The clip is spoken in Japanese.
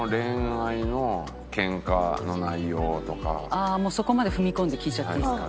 ああーもうそこまで踏み込んで聞いちゃっていいですか？